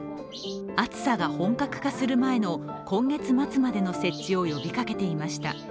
暑さが本格化する前の今月末までの設置を呼びかけていました。